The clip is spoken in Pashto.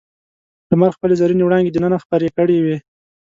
لمر خپلې زرینې وړانګې دننه خپرې کړې وې.